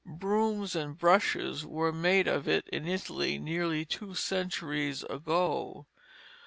Brooms and brushes were made of it in Italy nearly two centuries ago.